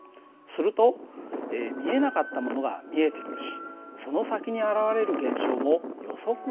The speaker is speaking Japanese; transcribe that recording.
すると見えなかったものが見えてくるしその先に現れる現象も予測がつくようになるんだ。